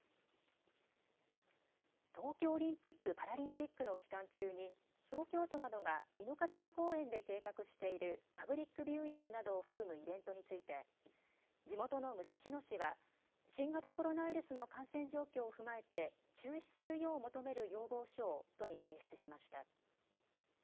東京オリンピック・パラリンピックの期間中に東京都などが井の頭公園で計画しているパブリックビューイングなどを含むイベントについて地元の武蔵野市は新型コロナウイルスの感染状況を踏まえて中止するよう求める要望書を都に提出しました。